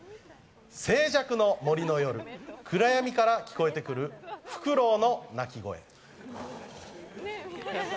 静寂の森の夜、暗闇から聞こえてくるふくろうの鳴き声。